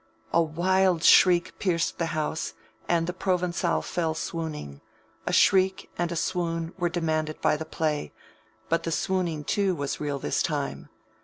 A wild shriek pierced the house, and the Provencale fell swooning: a shriek and a swoon were demanded by the play, but the swooning too was real this time.